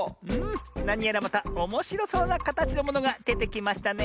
なにやらまたおもしろそうなかたちのものがでてきましたね。